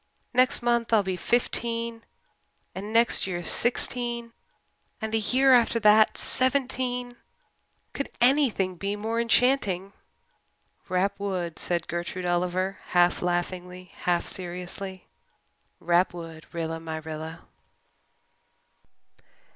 Next month I'll be fifteen and next year sixteen and the year after that seventeen. Could anything be more enchanting?" "Rap wood," said Gertrude Oliver, half laughingly, half seriously. "Rap wood, Rilla my Rilla."